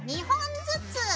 ２本ずつ。